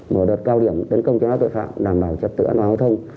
mở đợt cao điểm đấn công cho các tội phạm đảm bảo trật tựa giao thông